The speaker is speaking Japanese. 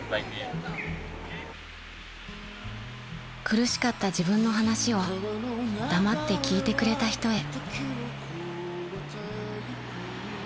［苦しかった自分の話を黙って聞いてくれた人へ］